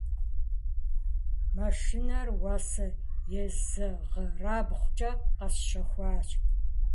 Машинэр уасэ езэгъырабгъукӏэ къэсщэхуащ.